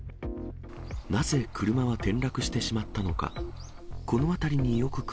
なぜ車は転落してしまったのか。